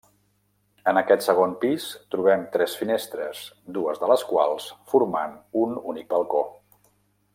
En aquest segon pis trobem tres finestres, dues de les quals formant un únic balcó.